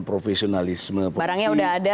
profesionalisme barangnya udah ada